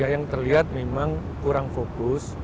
yang terlihat memang kurang fokus